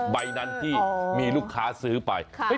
ใบนั้นที่มีลูกค้าซื้อไป